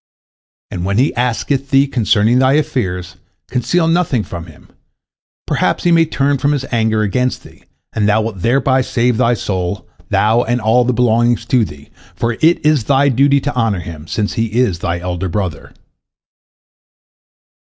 And when he asketh thee concerning thy affairs, conceal nothing from him, perhaps he may turn from his anger against thee, and thou wilt thereby save thy soul, thou and all belonging to thee, for it is thy duty to honor him, since he is thy elder brother."